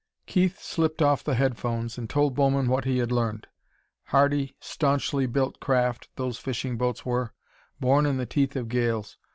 Keith slipped off the headphones and told Bowman what he had learned. Hardy, staunchly built craft, those fishing boats were; born in the teeth of gales.